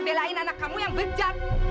belain anak kamu yang bejat